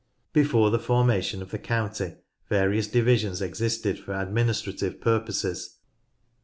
Before the formation of the county, various divisions existed for administrative purposes.